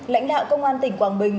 lãnh đạo công an tỉnh quảng bình